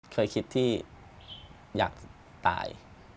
เคยคิดที่อยากตาย